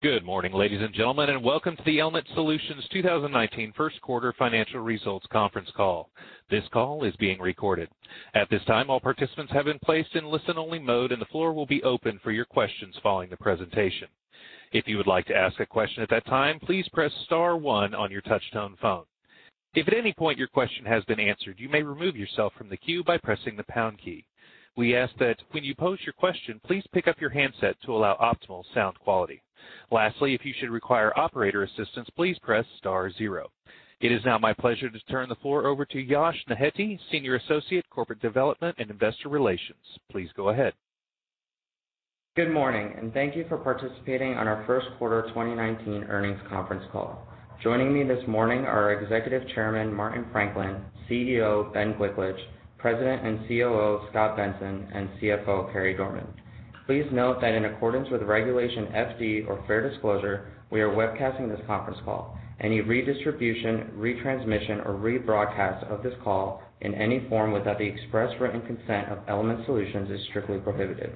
Good morning, ladies and gentlemen, and welcome to the Element Solutions 2019 first quarter financial results conference call. This call is being recorded. At this time, all participants have been placed in listen-only mode, and the floor will be open for your questions following the presentation. If you would like to ask a question at that time, please press star one on your touch-tone phone. If at any point your question has been answered, you may remove yourself from the queue by pressing the pound key. We ask that when you pose your question, please pick up your handset to allow optimal sound quality. Lastly, if you should require Operator assistance, please press star zero. It is now my pleasure to turn the floor over to Yash Nehete, Senior Associate, Corporate Development and Investor Relations. Please go ahead. Good morning. Thank you for participating on our first quarter 2019 earnings conference call. Joining me this morning are Executive Chairman, Martin Franklin, CEO, Ben Gliklich, President and COO, Scot Benson, and CFO, Carey Dorman. Please note that in accordance with Regulation FD, or fair disclosure, we are webcasting this conference call. Any redistribution, retransmission, or rebroadcast of this call in any form without the express written consent of Element Solutions is strictly prohibited.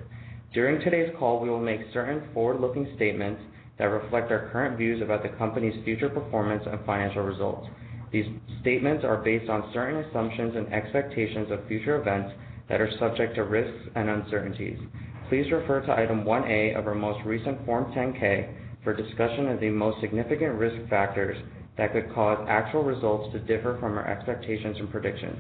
During today's call, we will make certain forward-looking statements that reflect our current views about the company's future performance and financial results. These statements are based on certain assumptions and expectations of future events that are subject to risks and uncertainties. Please refer to Item 1A of our most recent Form 10-K for a discussion of the most significant risk factors that could cause actual results to differ from our expectations and predictions.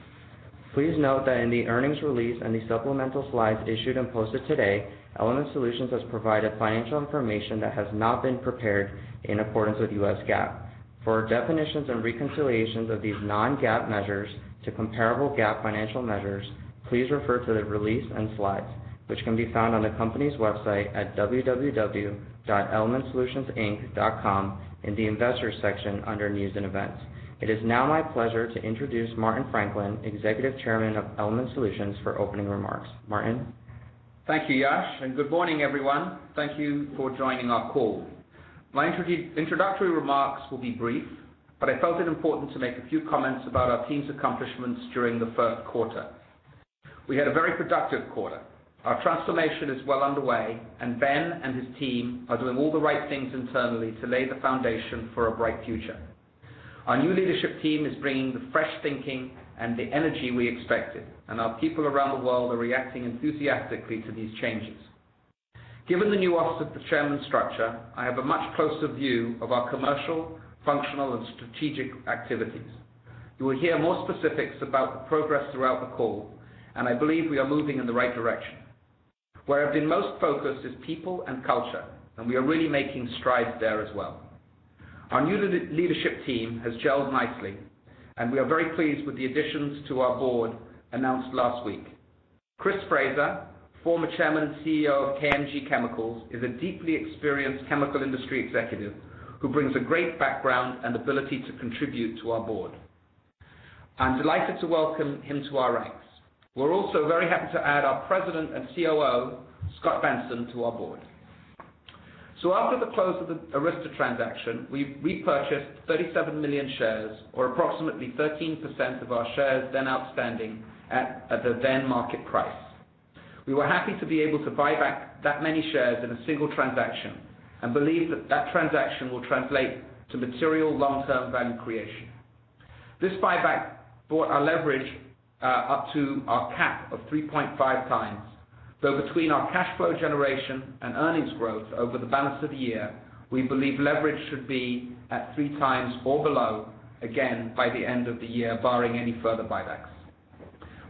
Please note that in the earnings release and the supplemental slides issued and posted today, Element Solutions has provided financial information that has not been prepared in accordance with U.S. GAAP. For definitions and reconciliations of these non-GAAP measures to comparable GAAP financial measures, please refer to the release and slides, which can be found on the company's website at www.elementsolutionsinc.com in the Investors section under News and Events. It is now my pleasure to introduce Martin Franklin, Executive Chairman of Element Solutions, for opening remarks. Martin? Thank you, Yash. Good morning, everyone. Thank you for joining our call. My introductory remarks will be brief, but I felt it important to make a few comments about our team's accomplishments during the first quarter. We had a very productive quarter. Our transformation is well underway, and Ben and his team are doing all the right things internally to lay the foundation for a bright future. Our new leadership team is bringing the fresh thinking and the energy we expected, and our people around the world are reacting enthusiastically to these changes. Given the nuance of the chairman structure, I have a much closer view of our commercial, functional, and strategic activities. You will hear more specifics about the progress throughout the call, and I believe we are moving in the right direction. Where I've been most focused is people and culture, we are really making strides there as well. Our new leadership team has gelled nicely, and we are very pleased with the additions to our board announced last week. Chris Fraser, former Chairman and CEO of KMG Chemicals, is a deeply experienced chemical industry executive who brings a great background and ability to contribute to our board. I'm delighted to welcome him to our ranks. We're also very happy to add our President and COO, Scot Benson, to our board. After the close of the Arysta transaction, we repurchased 37 million shares or approximately 13% of our shares then outstanding at the then market price. We were happy to be able to buy back that many shares in a single transaction and believe that that transaction will translate to material long-term value creation. This buyback brought our leverage up to our cap of 3.5 times. Between our cash flow generation and earnings growth over the balance of the year, we believe leverage should be at three times or below again by the end of the year, barring any further buybacks.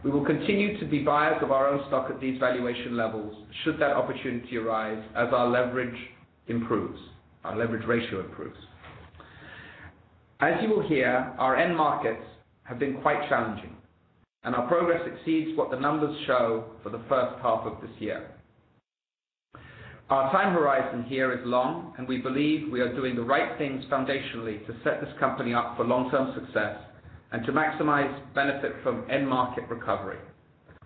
We will continue to be buyers of our own stock at these valuation levels should that opportunity arise as our leverage ratio improves. As you will hear, our end markets have been quite challenging, and our progress exceeds what the numbers show for the first half of this year. Our time horizon here is long, and we believe we are doing the right things foundationally to set this company up for long-term success and to maximize benefit from end market recovery.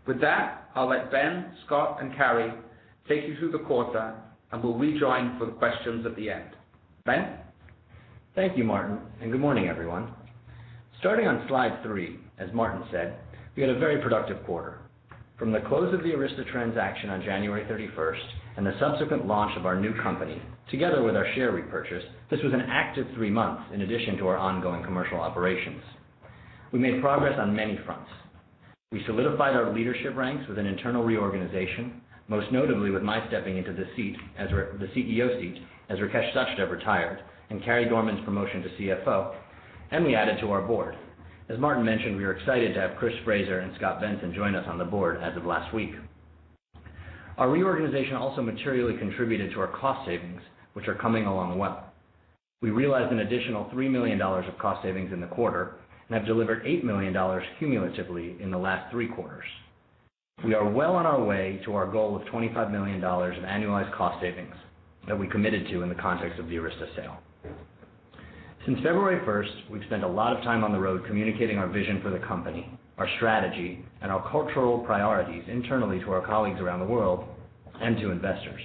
With that, I'll let Ben, Scot, and Carey take you through the quarter, and we'll rejoin for the questions at the end. Ben? Thank you, Martin, and good morning, everyone. Starting on slide three, as Martin said, we had a very productive quarter. From the close of the Arysta transaction on January 31st and the subsequent launch of our new company, together with our share repurchase, this was an active three months in addition to our ongoing commercial operations. We made progress on many fronts. We solidified our leadership ranks with an internal reorganization, most notably with my stepping into the CEO seat as Rakesh Sachdev retired and Carey Dorman's promotion to CFO, and we added to our board. As Martin mentioned, we are excited to have Chris Fraser and Scot Benson join us on the board as of last week. Our reorganization also materially contributed to our cost savings, which are coming along well. We realized an additional $3 million of cost savings in the quarter and have delivered $8 million cumulatively in the last three quarters. We are well on our way to our goal of $25 million in annualized cost savings that we committed to in the context of the Arysta sale. Since February 1st, we've spent a lot of time on the road communicating our vision for the company, our strategy, and our cultural priorities internally to our colleagues around the world and to investors.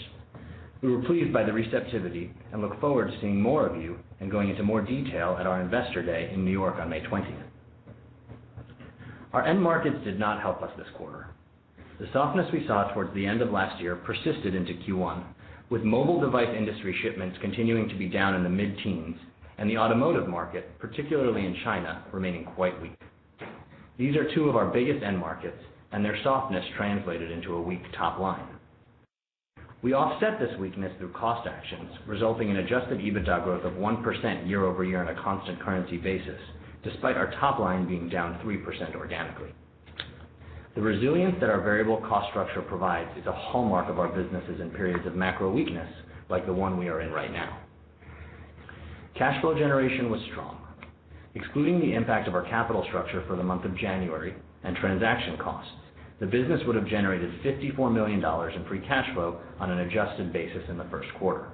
We were pleased by the receptivity and look forward to seeing more of you and going into more detail at our Investor Day in New York on May 20th. Our end markets did not help us this quarter. The softness we saw towards the end of last year persisted into Q1, with mobile device industry shipments continuing to be down in the mid-teens and the automotive market, particularly in China, remaining quite weak. These are two of our biggest end markets, and their softness translated into a weak top line. We offset this weakness through cost actions, resulting in adjusted EBITDA growth of 1% year-over-year on a constant currency basis, despite our top line being down 3% organically. The resilience that our variable cost structure provides is a hallmark of our businesses in periods of macro weakness like the one we are in right now. Cash flow generation was strong. Excluding the impact of our capital structure for the month of January and transaction costs, the business would have generated $54 million in free cash flow on an adjusted basis in the first quarter.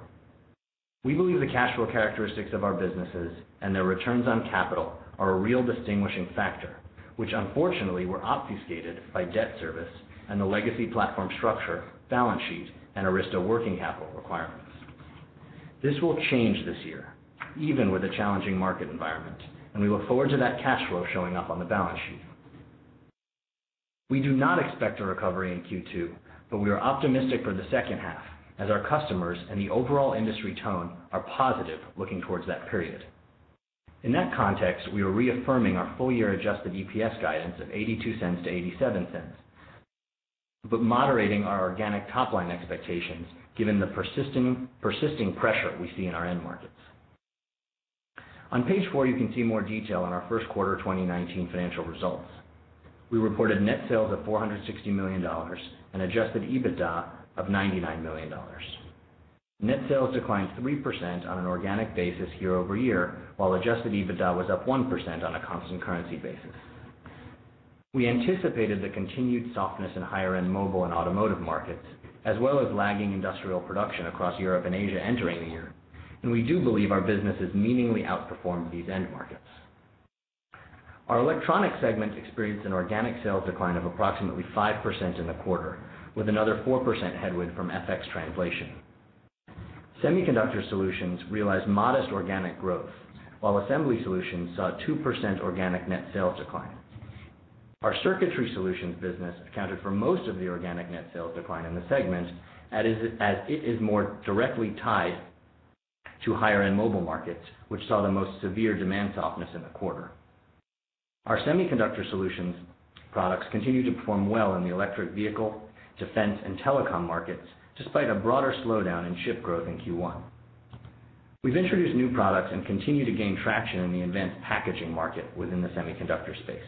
We believe the cash flow characteristics of our businesses and their returns on capital are a real distinguishing factor, which unfortunately were obfuscated by debt service and the legacy platform structure, balance sheet, and Arysta working capital requirements. This will change this year, even with a challenging market environment, and we look forward to that cash flow showing up on the balance sheet. We do not expect a recovery in Q2, but we are optimistic for the second half as our customers and the overall industry tone are positive looking towards that period. In that context, we are reaffirming our full year adjusted EPS guidance of $0.82-$0.87, but moderating our organic top-line expectations given the persisting pressure we see in our end markets. On page four, you can see more detail on our first quarter 2019 financial results. We reported net sales of $460 million and adjusted EBITDA of $99 million. Net sales declined 3% on an organic basis year-over-year, while adjusted EBITDA was up 1% on a constant currency basis. We anticipated the continued softness in higher-end mobile and automotive markets, as well as lagging industrial production across Europe and Asia entering the year, and we do believe our businesses meaningfully outperformed these end markets. Our Electronics segment experienced an organic sales decline of approximately 5% in the quarter, with another 4% headwind from FX translation. Semiconductor Solutions realized modest organic growth, while Assembly Solutions saw a 2% organic net sales decline. Our Circuitry Solutions business accounted for most of the organic net sales decline in the segment, as it is more directly tied to higher-end mobile markets, which saw the most severe demand softness in the quarter. Our Semiconductor Solutions products continue to perform well in the electric vehicle, defense, and telecom markets, despite a broader slowdown in ship growth in Q1. We've introduced new products and continue to gain traction in the advanced packaging market within the semiconductor space.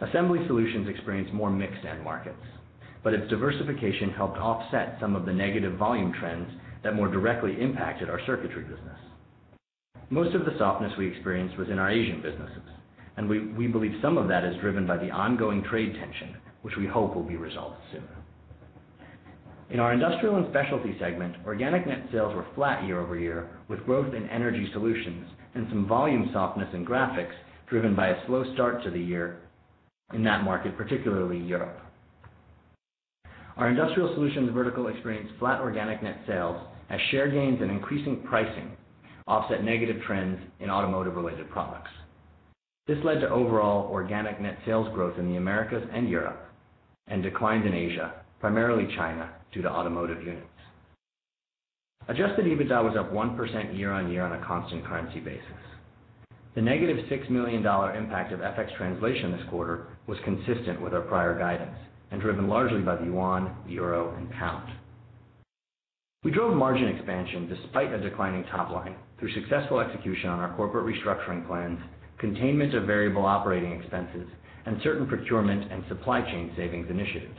Assembly Solutions experienced more mixed end markets, but its diversification helped offset some of the negative volume trends that more directly impacted our circuitry business. Most of the softness we experienced was in our Asian businesses, and we believe some of that is driven by the ongoing trade tension, which we hope will be resolved soon. In our Industrial and Specialty segment, organic net sales were flat year-over-year, with growth in Energy Solutions and some volume softness in Graphics Solutions driven by a slow start to the year in that market, particularly Europe. Our Industrial Solutions vertical experienced flat organic net sales as share gains and increasing pricing offset negative trends in automotive-related products. This led to overall organic net sales growth in the Americas and Europe and declines in Asia, primarily China, due to automotive units. Adjusted EBITDA was up 1% year-on-year on a constant currency basis. The negative $6 million impact of FX translation this quarter was consistent with our prior guidance and driven largely by the yuan, the euro, and pound. We drove margin expansion despite a declining top line through successful execution on our corporate restructuring plans, containment of variable operating expenses, and certain procurement and supply chain savings initiatives.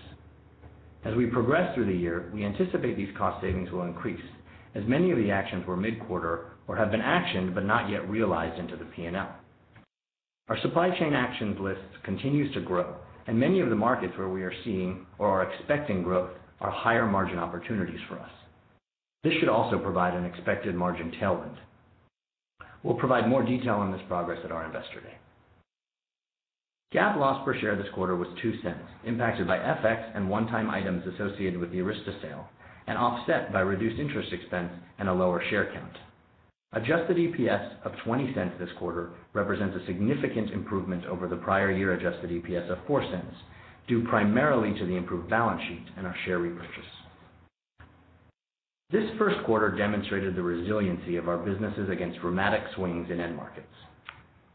As we progress through the year, we anticipate these cost savings will increase as many of the actions were mid-quarter or have been actioned but not yet realized into the P&L. Our supply chain actions list continues to grow, and many of the markets where we are seeing or are expecting growth are higher margin opportunities for us. This should also provide an expected margin tailwind. We'll provide more detail on this progress at our Investor Day. GAAP loss per share this quarter was $0.02, impacted by FX and one-time items associated with the Arysta sale and offset by reduced interest expense and a lower share count. Adjusted EPS of $0.20 this quarter represents a significant improvement over the prior year adjusted EPS of $0.04, due primarily to the improved balance sheet and our share repurchase. This first quarter demonstrated the resiliency of our businesses against dramatic swings in end markets.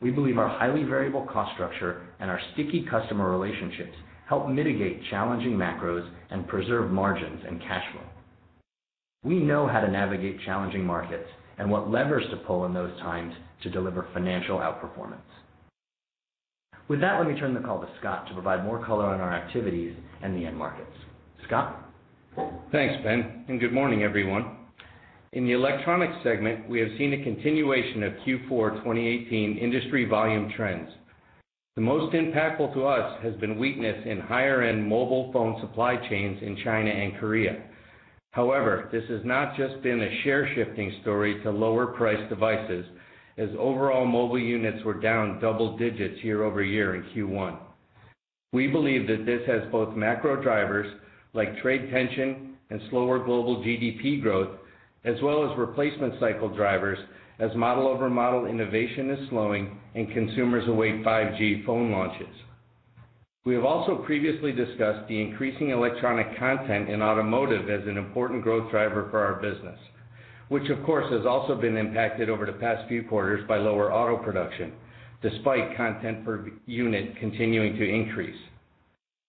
We believe our highly variable cost structure and our sticky customer relationships help mitigate challenging macros and preserve margins and cash flow. We know how to navigate challenging markets and what levers to pull in those times to deliver financial outperformance. With that, let me turn the call to Scot to provide more color on our activities and the end markets. Scot? Thanks, Ben. Good morning, everyone. In the Electronics segment, we have seen a continuation of Q4 2018 industry volume trends. The most impactful to us has been weakness in higher-end mobile phone supply chains in China and Korea. However, this has not just been a share-shifting story to lower-priced devices as overall mobile units were down double digits year-over-year in Q1. We believe that this has both macro drivers like trade tension and slower global GDP growth, as well as replacement cycle drivers, as model-over-model innovation is slowing and consumers await 5G phone launches. We have also previously discussed the increasing Electronics content in automotive as an important growth driver for our business, which, of course, has also been impacted over the past few quarters by lower auto production despite content per unit continuing to increase.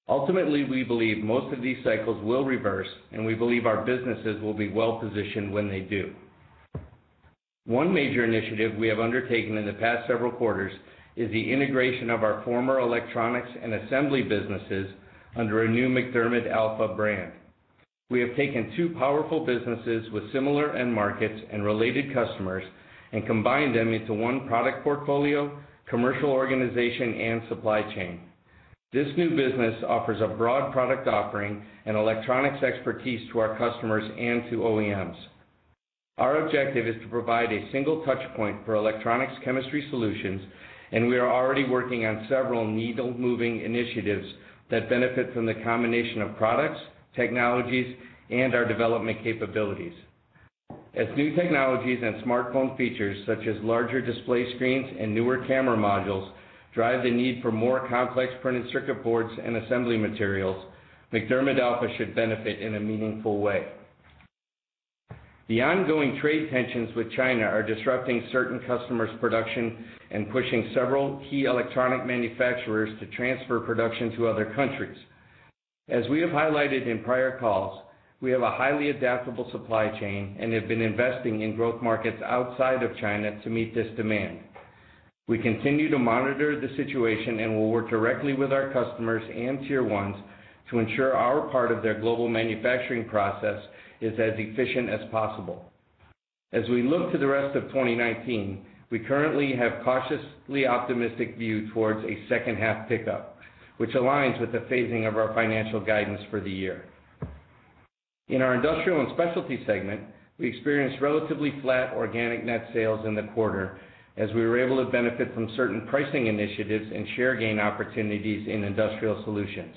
Ultimately, we believe most of these cycles will reverse, and we believe our businesses will be well-positioned when they do. One major initiative we have undertaken in the past several quarters is the integration of our former Electronics and assembly businesses under a new MacDermid Alpha brand. We have taken two powerful businesses with similar end markets and related customers and combined them into one product portfolio, commercial organization, and supply chain. This new business offers a broad product offering and Electronics expertise to our customers and to OEMs. Our objective is to provide a single touch point for Electronics chemistry solutions, and we are already working on several needle-moving initiatives that benefit from the combination of products, technologies, and our development capabilities. As new technologies and smartphone features such as larger display screens and newer camera modules drive the need for more complex printed circuit boards and assembly materials, MacDermid Alpha should benefit in a meaningful way. The ongoing trade tensions with China are disrupting certain customers' production and pushing several key electronic manufacturers to transfer production to other countries. As we have highlighted in prior calls, we have a highly adaptable supply chain and have been investing in growth markets outside of China to meet this demand. We continue to monitor the situation and will work directly with our customers and tier ones to ensure our part of their global manufacturing process is as efficient as possible. As we look to the rest of 2019, we currently have cautiously optimistic view towards a second half pickup, which aligns with the phasing of our financial guidance for the year. In our Industrial & Specialty segment, we experienced relatively flat organic net sales in the quarter as we were able to benefit from certain pricing initiatives and share gain opportunities in Industrial Solutions.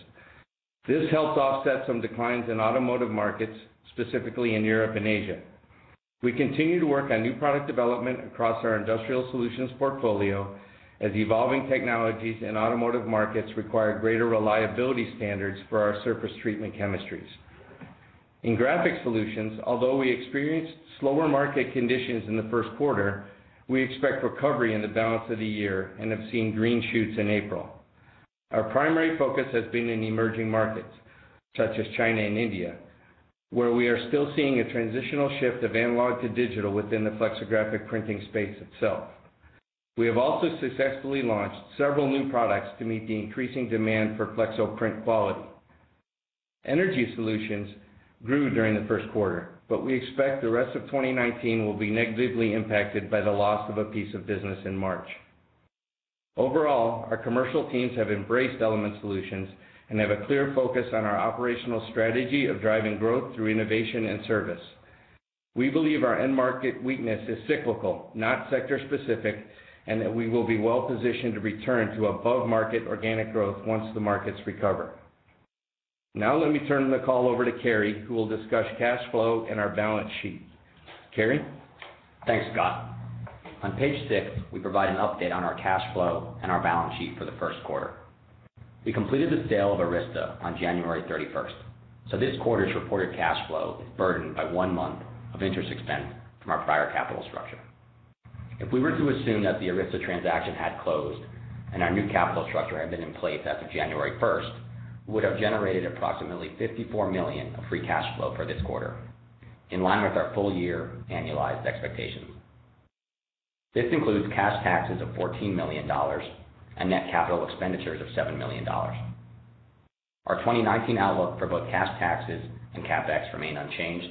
This helped offset some declines in automotive markets, specifically in Europe and Asia. We continue to work on new product development across our Industrial Solutions portfolio as evolving technologies in automotive markets require greater reliability standards for our surface treatment chemistries. In Graphic Solutions, although we experienced slower market conditions in the first quarter, we expect recovery in the balance of the year and have seen green shoots in April. Our primary focus has been in emerging markets such as China and India, where we are still seeing a transitional shift of analog to digital within the flexographic printing space itself. We have also successfully launched several new products to meet the increasing demand for flexo print quality. Energy Solutions grew during the first quarter, but we expect the rest of 2019 will be negatively impacted by the loss of a piece of business in March. Overall, our commercial teams have embraced Element Solutions and have a clear focus on our operational strategy of driving growth through innovation and service. We believe our end market weakness is cyclical, not sector specific, and that we will be well positioned to return to above-market organic growth once the markets recover. Now let me turn the call over to Carey, who will discuss cash flow and our balance sheet. Carey? Thanks, Scot. On page six, we provide an update on our cash flow and our balance sheet for the first quarter. We completed the sale of Arysta on January 31st, so this quarter's reported cash flow is burdened by one month of interest expense from our prior capital structure. If we were to assume that the Arysta transaction had closed and our new capital structure had been in place as of January 1st, we would have generated approximately $54 million of free cash flow for this quarter, in line with our full-year annualized expectations. This includes cash taxes of $14 million and net capital expenditures of $7 million. Our 2019 outlook for both cash taxes and CapEx remain unchanged,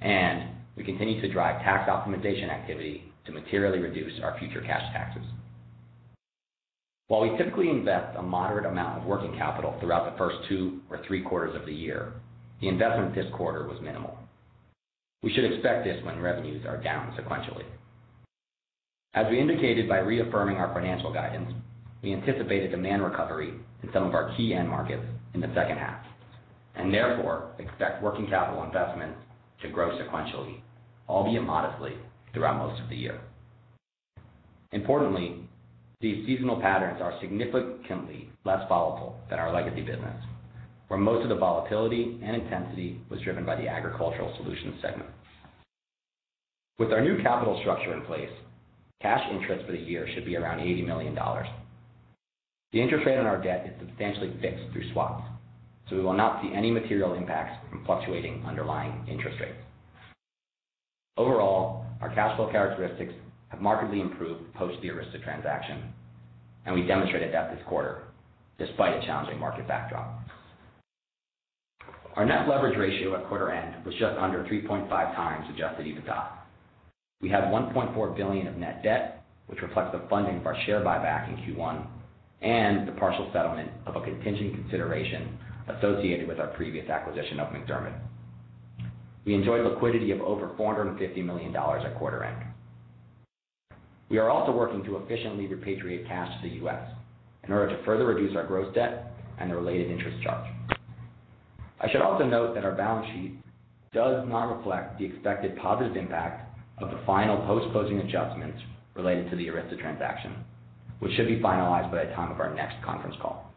and we continue to drive tax optimization activity to materially reduce our future cash taxes. While we typically invest a moderate amount of working capital throughout the first two or three quarters of the year, the investment this quarter was minimal. We should expect this when revenues are down sequentially. As we indicated by reaffirming our financial guidance, we anticipate a demand recovery in some of our key end markets in the second half, and therefore expect working capital investments to grow sequentially, albeit modestly, throughout most of the year. Importantly, these seasonal patterns are significantly less volatile than our legacy business, where most of the volatility and intensity was driven by the Agricultural Solutions segment. With our new capital structure in place, cash interest for the year should be around $80 million. The interest rate on our debt is substantially fixed through swaps, so we will not see any material impacts from fluctuating underlying interest rates. Overall, our cash flow characteristics have markedly improved post the Arysta transaction, and we demonstrated that this quarter despite a challenging market backdrop. Our net leverage ratio at quarter end was just under 3.5 times adjusted EBITDA. We had $1.4 billion of net debt, which reflects the funding for our share buyback in Q1 and the partial settlement of a contingent consideration associated with our previous acquisition of MacDermid. We enjoyed liquidity of over $450 million at quarter end. We are also working to efficiently repatriate cash to the U.S. in order to further reduce our gross debt and the related interest charge. I should also note that our balance sheet does not reflect the expected positive impact of the final post-closing adjustments related to the Arysta transaction, which should be finalized by the time of our next conference call.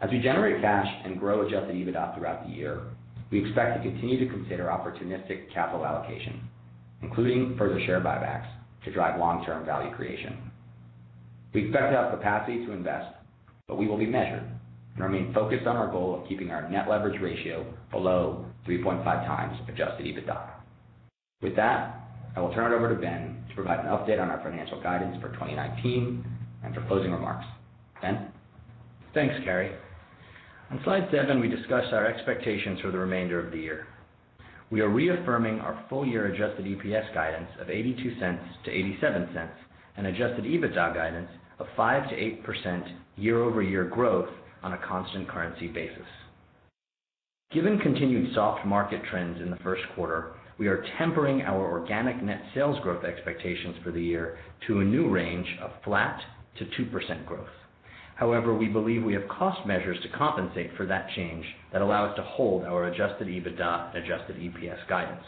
As we generate cash and grow adjusted EBITDA throughout the year, we expect to continue to consider opportunistic capital allocation, including further share buybacks to drive long-term value creation. We expect to have capacity to invest, but we will be measured and remain focused on our goal of keeping our net leverage ratio below 3.5 times adjusted EBITDA. With that, I will turn it over to Ben to provide an update on our financial guidance for 2019 and for closing remarks. Ben? Thanks, Carey. On slide seven, we discuss our expectations for the remainder of the year. We are reaffirming our full-year adjusted EPS guidance of $0.82-$0.87 and adjusted EBITDA guidance of 5%-8% year-over-year growth on a constant currency basis. Given continued soft market trends in the first quarter, we are tempering our organic net sales growth expectations for the year to a new range of flat to 2% growth. However, we believe we have cost measures to compensate for that change that allow us to hold our adjusted EBITDA, adjusted EPS guidance.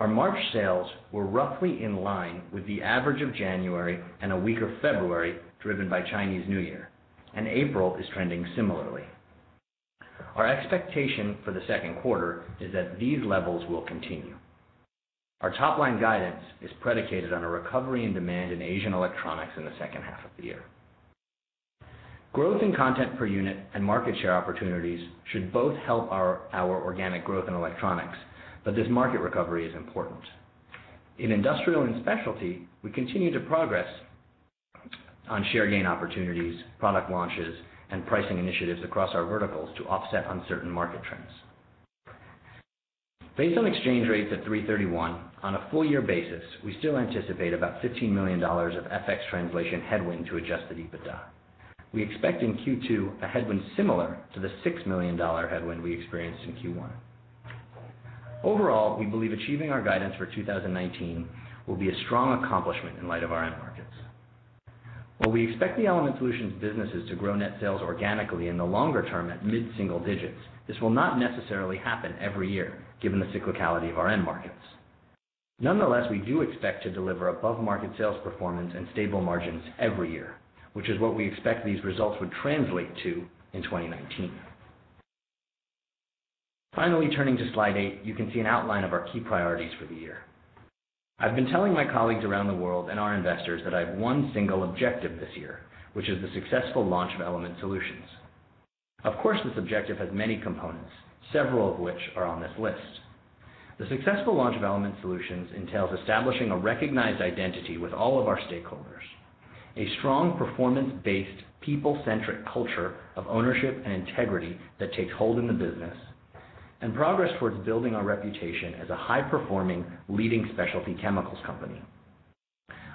Our March sales were roughly in line with the average of January and a weaker February, driven by Chinese New Year, and April is trending similarly. Our expectation for the second quarter is that these levels will continue. Our top-line guidance is predicated on a recovery in demand in Asian Electronics in the second half of the year. Growth in content per unit and market share opportunities should both help our organic growth in Electronics, but this market recovery is important. In Industrial & Specialty, we continue to progress on share gain opportunities, product launches, and pricing initiatives across our verticals to offset uncertain market trends. Based on exchange rates at 3/31, on a full-year basis, we still anticipate about $15 million of FX translation headwind to adjusted EBITDA. We expect in Q2 a headwind similar to the $6 million headwind we experienced in Q1. Overall, we believe achieving our guidance for 2019 will be a strong accomplishment in light of our end markets. While we expect the Element Solutions businesses to grow net sales organically in the longer term at mid-single digits, this will not necessarily happen every year given the cyclicality of our end markets. Nonetheless, we do expect to deliver above-market sales performance and stable margins every year, which is what we expect these results would translate to in 2019. Finally, turning to slide eight, you can see an outline of our key priorities for the year. I've been telling my colleagues around the world and our investors that I have one single objective this year, which is the successful launch of Element Solutions. Of course, this objective has many components, several of which are on this list. The successful launch of Element Solutions entails establishing a recognized identity with all of our stakeholders, a strong performance-based, people-centric culture of ownership and integrity that takes hold in the business, and progress towards building our reputation as a high-performing, leading specialty chemicals company.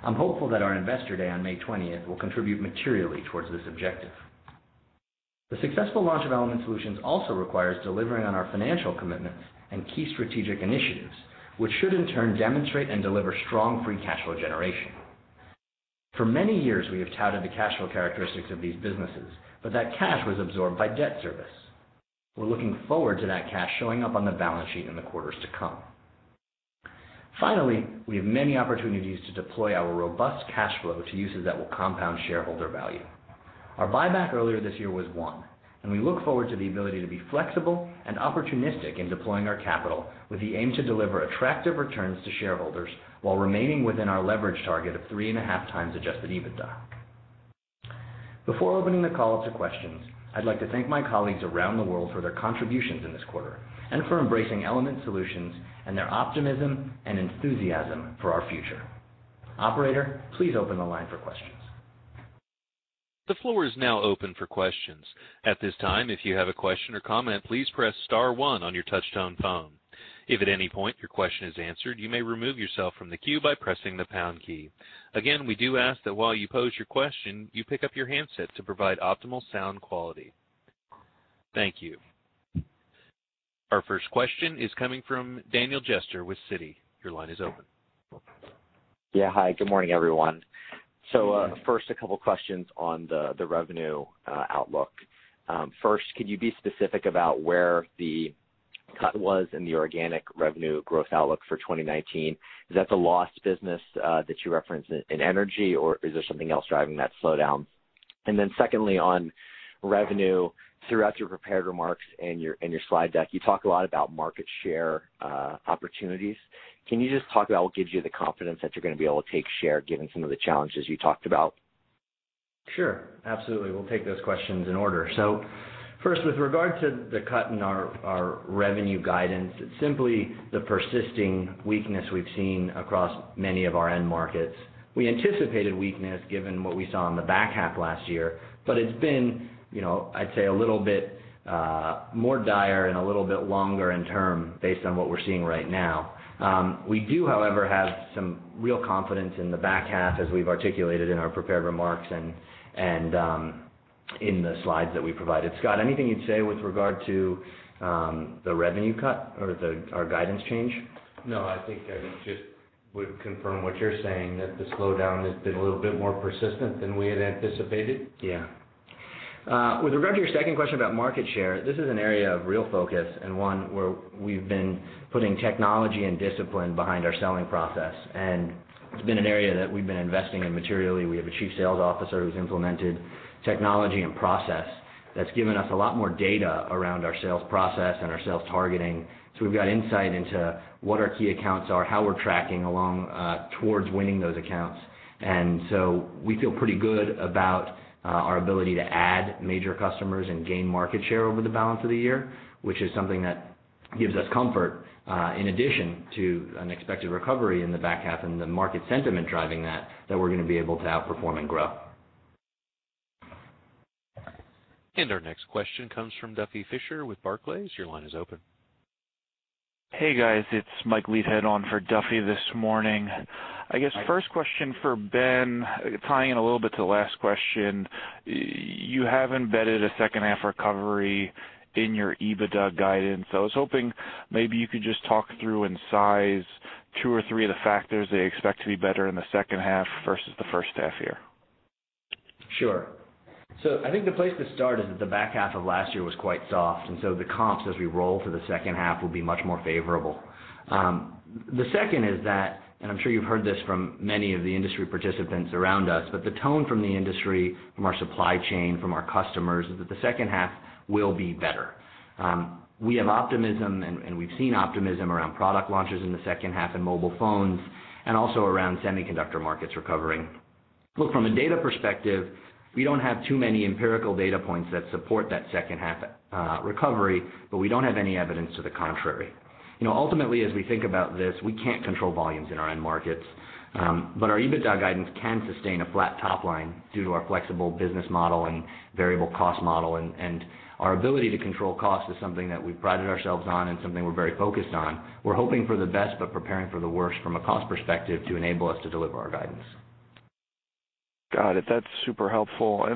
I'm hopeful that our Investor Day on May 20th will contribute materially towards this objective. The successful launch of Element Solutions also requires delivering on our financial commitments and key strategic initiatives, which should in turn demonstrate and deliver strong free cash flow generation. For many years, we have touted the cash flow characteristics of these businesses, but that cash was absorbed by debt service. We're looking forward to that cash showing up on the balance sheet in the quarters to come. Finally, we have many opportunities to deploy our robust cash flow to uses that will compound shareholder value. Our buyback earlier this year was one. We look forward to the ability to be flexible and opportunistic in deploying our capital with the aim to deliver attractive returns to shareholders while remaining within our leverage target of three and a half times adjusted EBITDA. Before opening the call up to questions, I'd like to thank my colleagues around the world for their contributions in this quarter and for embracing Element Solutions, and their optimism and enthusiasm for our future. Operator, please open the line for questions. The floor is now open for questions. At this time, if you have a question or comment, please press *1 on your touch-tone phone. If at any point your question is answered, you may remove yourself from the queue by pressing the # key. Again, we do ask that while you pose your question, you pick up your handset to provide optimal sound quality. Thank you. Our first question is coming from Daniel Jester with Citi. Your line is open. Yeah. Hi, good morning, everyone. Good morning. First, a couple questions on the revenue outlook. First, could you be specific about where the cut was in the organic revenue growth outlook for 2019? Is that the lost business that you referenced in energy, or is there something else driving that slowdown? Secondly, on revenue, throughout your prepared remarks and your slide deck, you talk a lot about market share opportunities. Can you just talk about what gives you the confidence that you're going to be able to take share given some of the challenges you talked about? Sure. Absolutely. We'll take those questions in order. First, with regard to the cut in our revenue guidance, it's simply the persisting weakness we've seen across many of our end markets. We anticipated weakness given what we saw in the back half last year, but it's been I'd say a little bit more dire and a little bit longer in term based on what we're seeing right now. We do, however, have some real confidence in the back half as we've articulated in our prepared remarks and in the slides that we provided. Scot, anything you'd say with regard to the revenue cut or our guidance change? No, I think I just would confirm what you're saying, that the slowdown has been a little bit more persistent than we had anticipated. Yeah. With regard to your second question about market share, this is an area of real focus and one where we've been putting technology and discipline behind our selling process. It's been an area that we've been investing in materially. We have a chief sales officer who's implemented technology and process that's given us a lot more data around our sales process and our sales targeting. We've got insight into what our key accounts are, how we're tracking along towards winning those accounts. We feel pretty good about our ability to add major customers and gain market share over the balance of the year, which is something that gives us comfort, in addition to an expected recovery in the back half and the market sentiment driving that we're going to be able to outperform and grow. Our next question comes from Duffy Fisher with Barclays. Your line is open. Hey, guys. It's Michael Leithead on for Duffy this morning. Hi. I guess first question for Ben, tying in a little bit to the last question, you have embedded a second half recovery in your EBITDA guidance. I was hoping maybe you could just talk through and size two or three of the factors that you expect to be better in the second half versus the first half year. Sure. I think the place to start is that the back half of last year was quite soft, the comps as we roll to the second half will be much more favorable. The second is that, and I'm sure you've heard this from many of the industry participants around us, the tone from the industry, from our supply chain, from our customers is that the second half will be better. We have optimism and we've seen optimism around product launches in the second half in mobile phones and also around semiconductor markets recovering. From a data perspective, we don't have too many empirical data points that support that second half recovery, but we don't have any evidence to the contrary. Ultimately, as we think about this, we can't control volumes in our end markets. Our EBITDA guidance can sustain a flat top line due to our flexible business model and variable cost model. Our ability to control cost is something that we've prided ourselves on and something we're very focused on. We're hoping for the best, but preparing for the worst from a cost perspective to enable us to deliver our guidance. Got it. That's super helpful.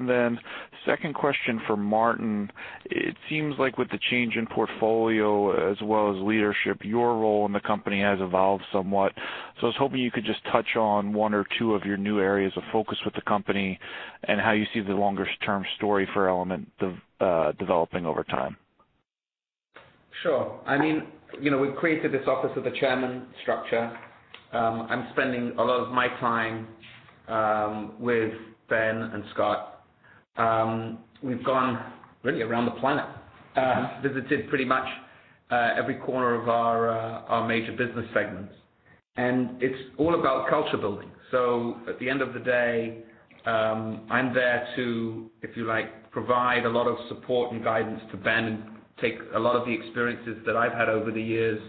Second question for Martin. It seems like with the change in portfolio as well as leadership, your role in the company has evolved somewhat. I was hoping you could just touch on one or two of your new areas of focus with the company and how you see the longer term story for Element developing over time. Sure. We've created this office of the chairman structure. I'm spending a lot of my time with Ben and Scot. We've gone really around the planet, visited pretty much every corner of our major business segments, and it's all about culture building. At the end of the day, I'm there to, if you like, provide a lot of support and guidance to Ben and take a lot of the experiences that I've had over the years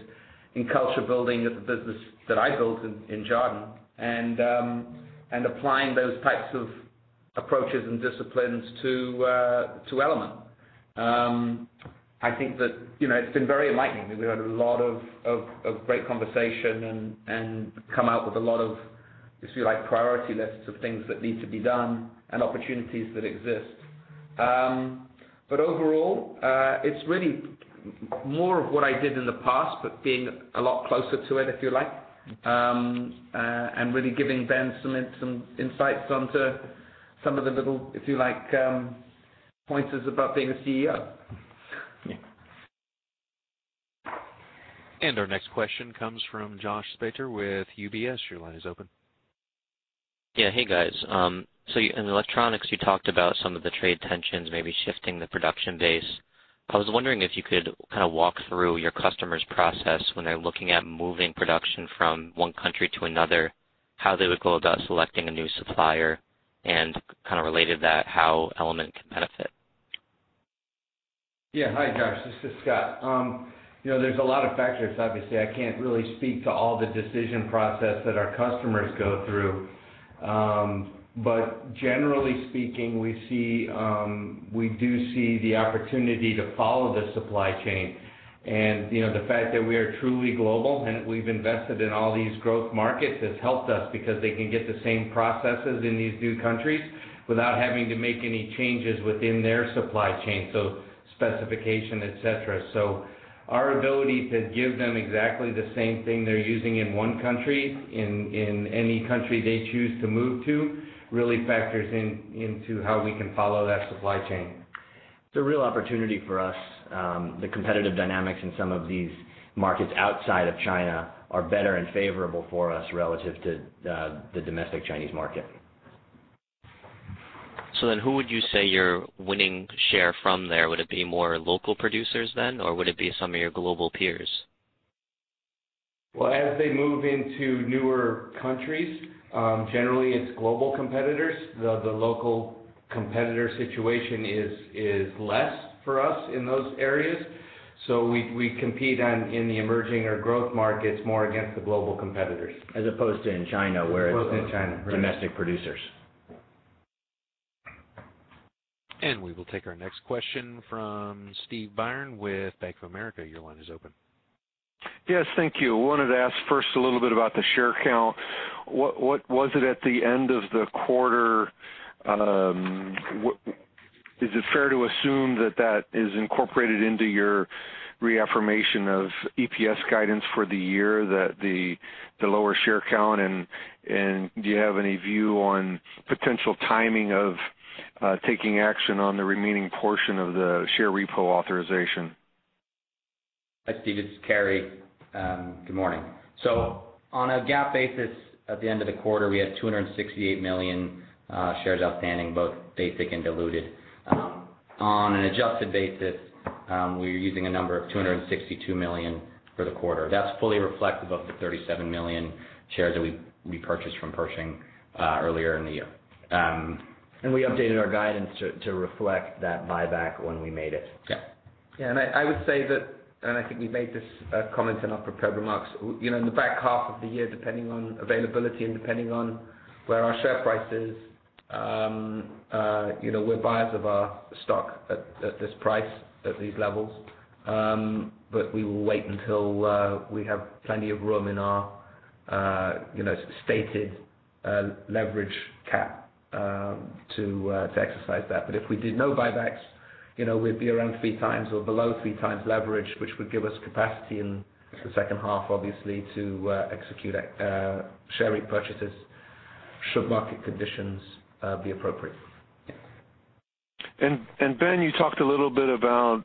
in culture building at the business that I built in Jarden, and applying those types of approaches and disciplines to Element. I think that it's been very enlightening. We've had a lot of great conversation and come out with a lot of, if you like, priority lists of things that need to be done and opportunities that exist. Overall, it's really more of what I did in the past, but being a lot closer to it, if you like, and really giving Ben some insights onto some of the little, if you like, pointers about being a CEO. Yeah. Our next question comes from Joshua Spector with UBS. Your line is open. Hey, guys. In Electronics, you talked about some of the trade tensions maybe shifting the production base. I was wondering if you could kind of walk through your customers' process when they're looking at moving production from one country to another, how they would go about selecting a new supplier, and kind of related to that, how Element can benefit. Hi, Josh. This is Scot. There's a lot of factors. Obviously, I can't really speak to all the decision process that our customers go through. Generally speaking, we do see the opportunity to follow the supply chain, and the fact that we are truly global and we've invested in all these growth markets has helped us because they can get the same processes in these new countries without having to make any changes within their supply chain, so specification, et cetera. Our ability to give them exactly the same thing they're using in one country, in any country they choose to move to, really factors into how we can follow that supply chain. It's a real opportunity for us. The competitive dynamics in some of these markets outside of China are better and favorable for us relative to the domestic Chinese market. Who would you say you're winning share from there? Would it be more local producers then, or would it be some of your global peers? Well, as they move into newer countries, generally it's global competitors. The local competitor situation is less for us in those areas. We compete in the emerging or growth markets more against the global competitors. As opposed to in China, Both in China domestic producers. We will take our next question from Steve Byrne with Bank of America. Your line is open. Yes. Thank you. Wanted to ask first a little bit about the share count. What was it at the end of the quarter? Is it fair to assume that that is incorporated into your reaffirmation of EPS guidance for the year, that the lower share count? Do you have any view on potential timing of taking action on the remaining portion of the share repo authorization? Hi, Steve, it's Carey. Good morning. On a GAAP basis, at the end of the quarter, we had 268 million shares outstanding, both basic and diluted. On an adjusted basis, we're using a number of 262 million for the quarter. That's fully reflective of the 37 million shares that we repurchased from Pershing earlier in the year. We updated our guidance to reflect that buyback when we made it. Yeah. I would say that, I think we made this comment in our prepared remarks, in the back half of the year, depending on availability and depending on where our share price is, we're buyers of our stock at this price, at these levels. We will wait until we have plenty of room in our stated leverage cap to exercise that. If we did no buybacks, we'd be around three times or below three times leverage, which would give us capacity in the second half, obviously, to execute share repurchases should market conditions be appropriate. Yeah. Ben, you talked a little bit about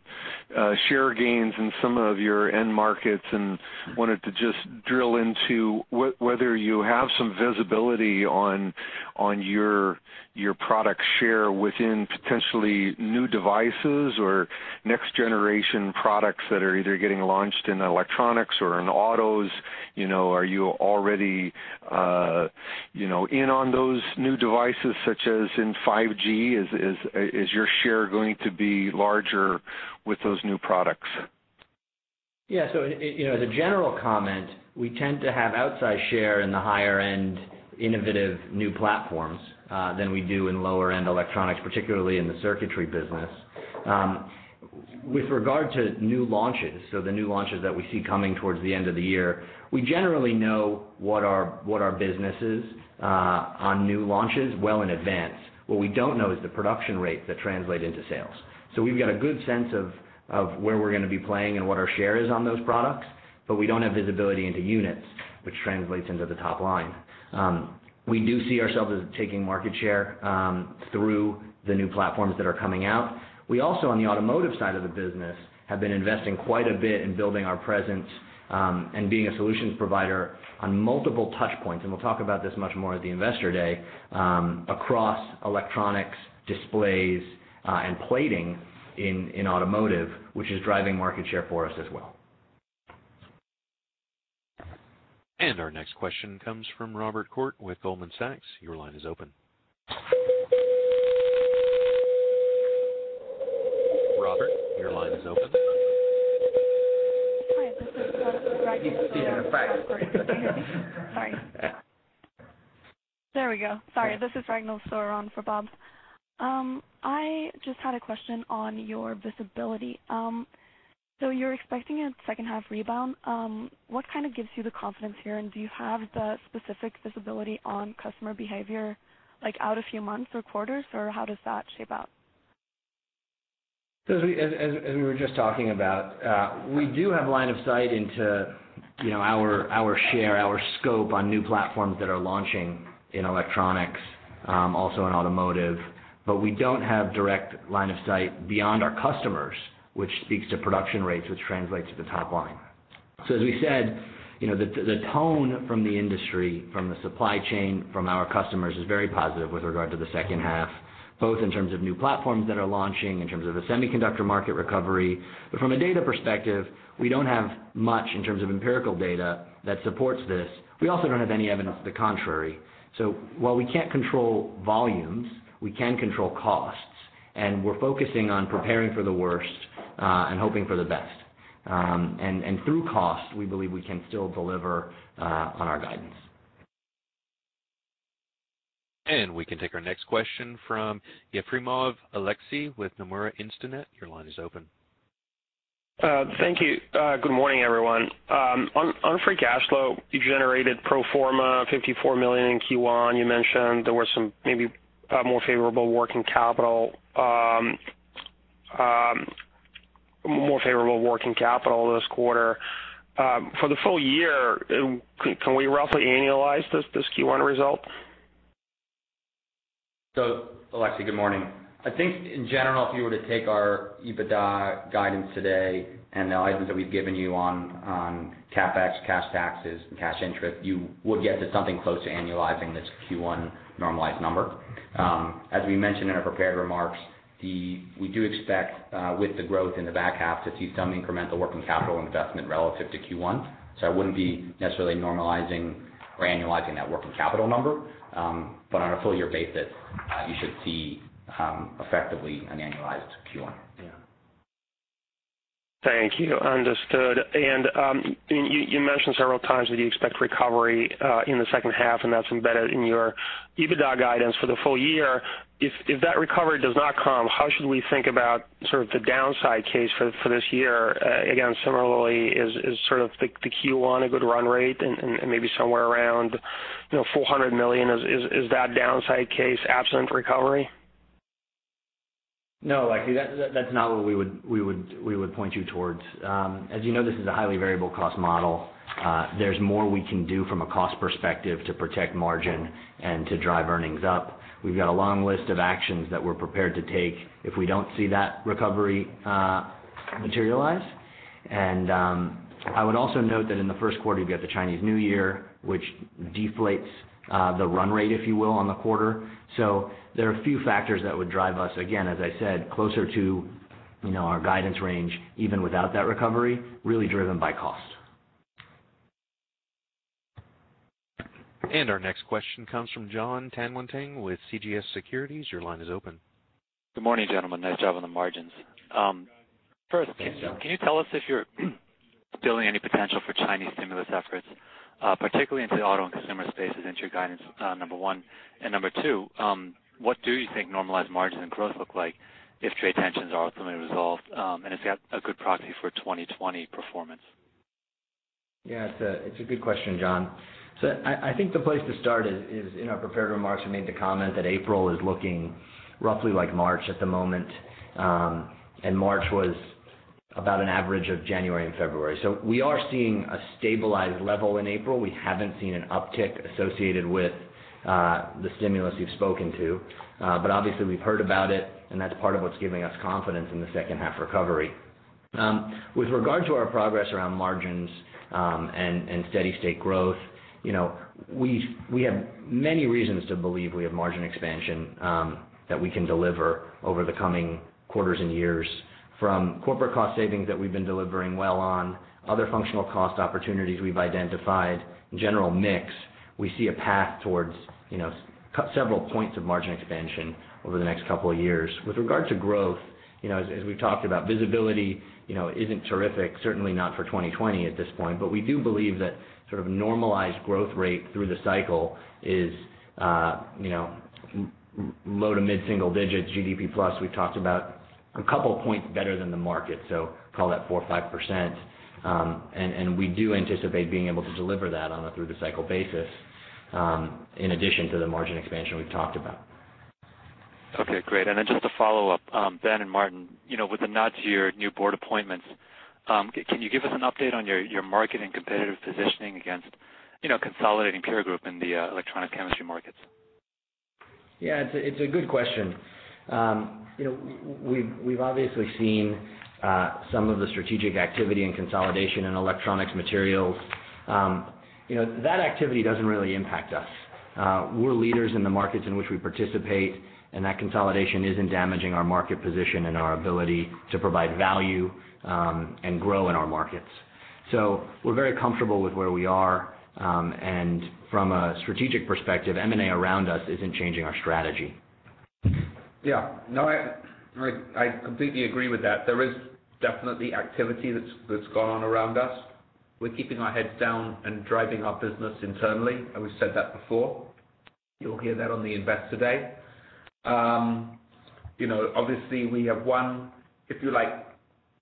share gains in some of your end markets and wanted to just drill into whether you have some visibility on your product share within potentially new devices or next-generation products that are either getting launched in Electronics or in autos. Are you already in on those new devices, such as in 5G? Is your share going to be larger with those new products? As a general comment, we tend to have outsized share in the higher-end innovative new platforms, than we do in lower-end Electronics, particularly in the circuitry business. With regard to new launches, the new launches that we see coming towards the end of the year, we generally know what our business is on new launches well in advance. What we don't know is the production rate that translates into sales. We've got a good sense of where we're going to be playing and what our share is on those products, but we don't have visibility into units, which translates into the top line. We do see ourselves as taking market share through the new platforms that are coming out. We also, on the automotive side of the business, have been investing quite a bit in building our presence, and being a solutions provider on multiple touch points, and we'll talk about this much more at the investor day, across Electronics, displays, and plating in automotive, which is driving market share for us as well. Our next question comes from Robert Koort with Goldman Sachs. Your line is open. Robert, your line is open. Hi, this is Ragnil Soran. She's in a fax. Sorry. There we go. Sorry. This is Ragnil Soran for Bob. I just had a question on your visibility. You're expecting a second half rebound. What kind of gives you the confidence here, and do you have the specific visibility on customer behavior out a few months or quarters, or how does that shape up? As we were just talking about, we do have line of sight into our share, our scope on new platforms that are launching in electronics, also in automotive. We don't have direct line of sight beyond our customers, which speaks to production rates, which translates to the top line. As we said, the tone from the industry, from the supply chain, from our customers is very positive with regard to the second half, both in terms of new platforms that are launching, in terms of the semiconductor market recovery. From a data perspective, we don't have much in terms of empirical data that supports this. We also don't have any evidence to the contrary. While we can't control volumes, we can control costs, and we're focusing on preparing for the worst, and hoping for the best. Through cost, we believe we can still deliver on our guidance. We can take our next question from Aleksey Yefremov with Nomura Instinet. Your line is open. Thank you. Good morning, everyone. On free cash flow, you generated pro forma $54 million in Q1. You mentioned there were some maybe more favorable working capital this quarter. For the full year, can we roughly annualize this Q1 result? Aleksey, good morning. I think in general, if you were to take our EBITDA guidance today and the items that we've given you on CapEx, cash taxes, and cash interest, you would get to something close to annualizing this Q1 normalized number. As we mentioned in our prepared remarks, we do expect, with the growth in the back half, to see some incremental working capital investment relative to Q1. I wouldn't be necessarily normalizing or annualizing that working capital number. But on a full year basis, you should see effectively an annualized Q1. Yeah. Thank you. Understood. You mentioned several times that you expect recovery in the second half, and that's embedded in your EBITDA guidance for the full year. If that recovery does not come, how should we think about sort of the downside case for this year? Again, similarly, is sort of the Q1 a good run rate and maybe somewhere around $400 million? Is that downside case absent recovery? No, actually, that's not what we would point you towards. As you know, this is a highly variable cost model. There's more we can do from a cost perspective to protect margin and to drive earnings up. We've got a long list of actions that we're prepared to take if we don't see that recovery materialize. I would also note that in the first quarter, you've got the Chinese New Year, which deflates the run rate, if you will, on the quarter. There are a few factors that would drive us, again, as I said, closer to our guidance range, even without that recovery, really driven by cost. Our next question comes from Jon Tanwanteng with CJS Securities. Your line is open. Good morning, gentlemen. Nice job on the margins. First, can you tell us if you're still any potential for Chinese stimulus efforts, particularly into the auto and consumer spaces into your guidance, number one? Number two, what do you think normalized margins and growth look like if trade tensions are ultimately resolved and it's got a good proxy for 2020 performance? Yeah, it's a good question, Jon. I think the place to start is in our prepared remarks, we made the comment that April is looking roughly like March at the moment, and March was about an average of January and February. We are seeing a stabilized level in April. We haven't seen an uptick associated with the stimulus you've spoken to. Obviously, we've heard about it, and that's part of what's giving us confidence in the second half recovery. With regard to our progress around margins and steady state growth, we have many reasons to believe we have margin expansion that we can deliver over the coming quarters and years from corporate cost savings that we've been delivering well on, other functional cost opportunities we've identified, general mix. We see a path towards several points of margin expansion over the next couple of years. With regard to growth, as we've talked about, visibility isn't terrific, certainly not for 2020 at this point. We do believe that sort of normalized growth rate through the cycle is low to mid-single digits, GDP plus, we've talked about a couple of points better than the market, so call that 4% or 5%. We do anticipate being able to deliver that on a through-the-cycle basis, in addition to the margin expansion we've talked about. Okay, great. Just a follow-up. Ben and Martin, with a nod to your new board appointments, can you give us an update on your marketing competitive positioning against consolidating peer group in the electronic chemistry markets? Yeah, it's a good question. We've obviously seen some of the strategic activity and consolidation in Electronics materials. That activity doesn't really impact us. We're leaders in the markets in which we participate, that consolidation isn't damaging our market position and our ability to provide value and grow in our markets. We're very comfortable with where we are, from a strategic perspective, M&A around us isn't changing our strategy. Yeah. No, I completely agree with that. There is definitely activity that's gone on around us. We're keeping our heads down and driving our business internally. We've said that before. You'll hear that on the Investor Day. Obviously, we have one, if you like,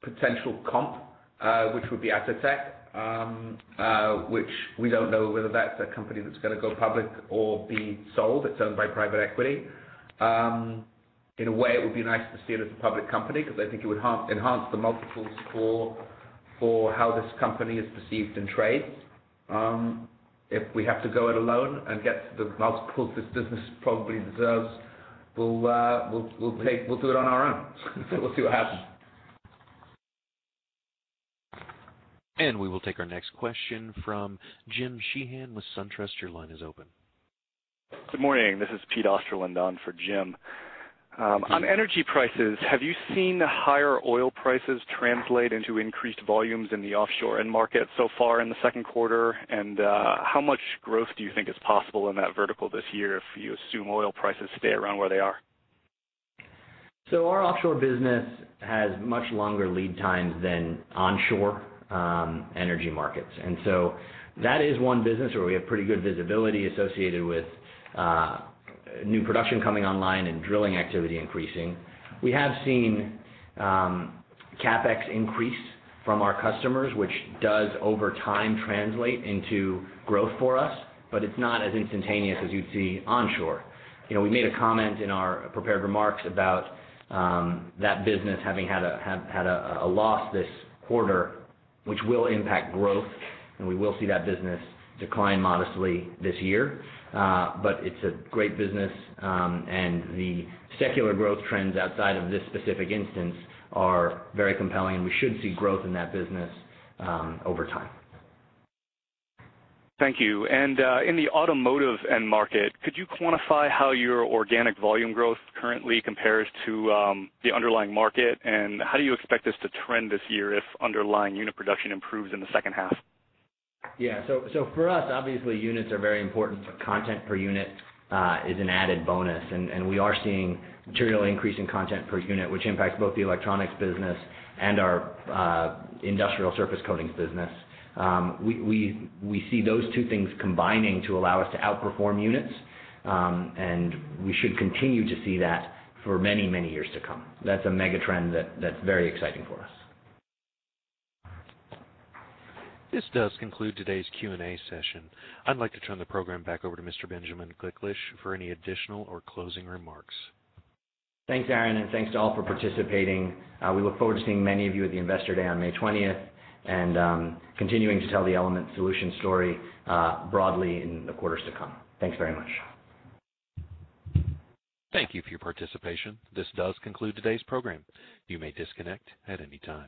potential comp, which would be Atotech, which we don't know whether that's a company that's going to go public or be sold. It's owned by private equity. In a way, it would be nice to see it as a public company because I think it would enhance the multiples for how this company is perceived in trades. If we have to go it alone and get the multiples this business probably deserves, we'll do it on our own. We'll see what happens. We will take our next question from James Sheehan with SunTrust. Your line is open. Good morning. This is Peter Osterlund on for Jim. On energy prices, have you seen higher oil prices translate into increased volumes in the offshore end market so far in the second quarter? How much growth do you think is possible in that vertical this year if you assume oil prices stay around where they are? Our offshore business has much longer lead times than onshore energy markets. That is one business where we have pretty good visibility associated with new production coming online and drilling activity increasing. We have seen CapEx increase from our customers, which does over time translate into growth for us, but it is not as instantaneous as you would see onshore. We made a comment in our prepared remarks about that business having had a loss this quarter, which will impact growth, and we will see that business decline modestly this year. It is a great business, and the secular growth trends outside of this specific instance are very compelling, and we should see growth in that business over time. Thank you. In the automotive end market, could you quantify how your organic volume growth currently compares to the underlying market? How do you expect this to trend this year if underlying unit production improves in the second half? Yeah. For us, obviously, units are very important. Content per unit is an added bonus, and we are seeing material increase in content per unit, which impacts both the Electronics business and our industrial surface coatings business. We see those two things combining to allow us to outperform units, and we should continue to see that for many, many years to come. That's a mega trend that's very exciting for us. This does conclude today's Q&A session. I'd like to turn the program back over to Mr. Benjamin Gliklich for any additional or closing remarks. Thanks, Aaron, and thanks to all for participating. We look forward to seeing many of you at the Investor Day on May 20th and continuing to tell the Element Solutions story broadly in the quarters to come. Thanks very much. Thank you for your participation. This does conclude today's program. You may disconnect at any time.